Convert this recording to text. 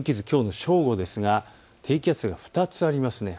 きょうの正午ですが低気圧が２つあります。